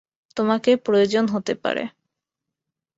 তোমাকে প্রয়োজন হতে পারে।